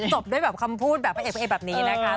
จบด้วยคำพูดพระเอกแบบนี้นะคะ